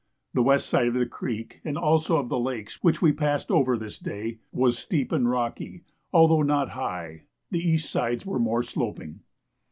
The west side of the creek, and also of the lakes which we passed over this day, was steep and rocky, although not high; the east sides were more sloping.